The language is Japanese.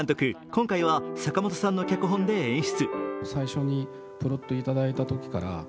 今回は坂元さんの脚本で演出。